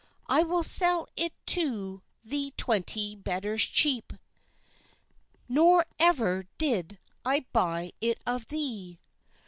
I will sell it to thee twenty better cheepe, Nor ever did I buy it of thee."